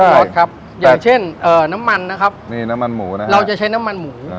รสครับอย่างเช่นเอ่อน้ำมันนะครับนี่น้ำมันหมูนะครับเราจะใช้น้ำมันหมู